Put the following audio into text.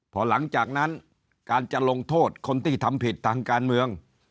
พอหลังจากนั้นการจะลงโทษคนที่ทำผิดทางการเมือง